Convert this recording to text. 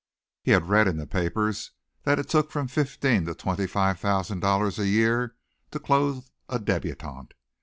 He had read in the papers that it took from fifteen to twenty five thousand dollars a year to clothe a débutante.